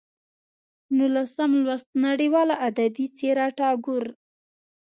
نولسم لوست: نړیواله ادبي څېره ټاګور